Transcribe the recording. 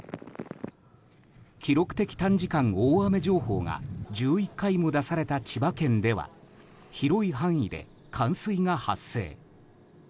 記録的短時間大雨情報が１１回も出された千葉県では広い範囲で冠水が発生。